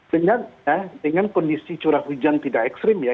dengan ya dengan kondisi curah hujan tidak ekstrim ya